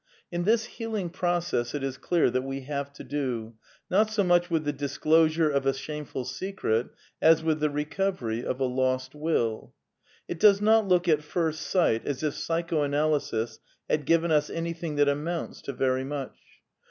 In this healing process it is clear that we have to do, not so much with the disclosure of a shameful secret as with the recovery of a lost Will. . It does not look at first sight as if Psychoanalysis had given us anything that amounts to very much.